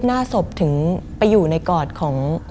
มันกลายเป็นรูปของคนที่กำลังขโมยคิ้วแล้วก็ร้องไห้อยู่